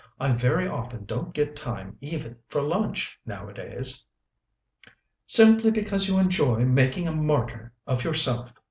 I very often don't get time even for lunch nowadays." "Simply because you enjoy making a martyr of yourself!"